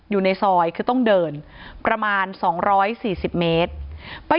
ที่มีข่าวเรื่องน้องหายตัว